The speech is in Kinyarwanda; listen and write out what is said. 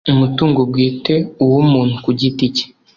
umutungo bwite uw umuntu ku giti cye